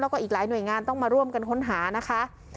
แล้วก็อีกหลายหน่วยงานต้องมาร่วมกันค้นหานะคะ